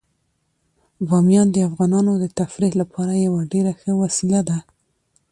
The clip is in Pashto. بامیان د افغانانو د تفریح لپاره یوه ډیره ښه وسیله ده.